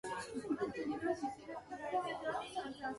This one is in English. Four official novels have also been written.